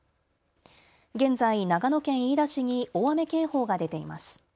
現在、長野県飯田市に大雨警報が出ています。